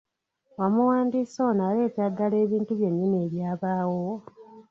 Omuwandiisi ono aleetera ddala ebintu byennyini ebyabaawo?